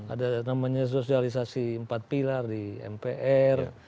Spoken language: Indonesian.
ada namanya sosialisasi empat pilar di mpr